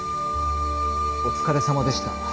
お疲れさまでした。